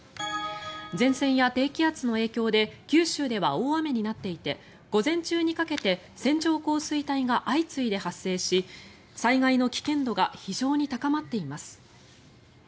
前線や低気圧の影響で九州では大雨になっていて午前中にかけて線状降水帯が相次いで発生し災害の危険度が非常に高まっています。